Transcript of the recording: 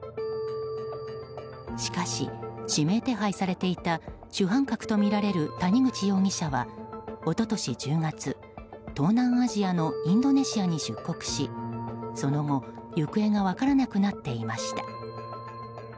しかし、指名手配されていた主犯格とみられる谷口容疑者は一昨年１０月、東南アジアのインドネシアに出国しその後、行方が分からなくなっていました。